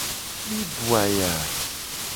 Mi du aya.